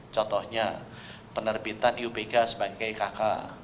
contohnya penerbitan iupk sebagai kk